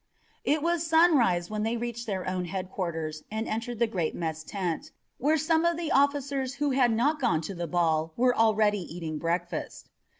It was sunrise when they reached their own headquarters and entered the great mess tent, where some of the officers who had not gone to the ball were already eating breakfast.